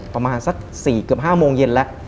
ประมาณสัก๔เกือบ๕โมงเย็นแล้ว